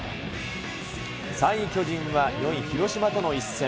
３位巨人は４位広島との一戦。